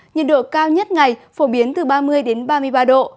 nhiệt độ cao nhất ngày phổ biến từ ba mươi đến ba mươi ba độ